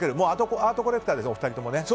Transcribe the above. アートコレクターですねお二人ともね。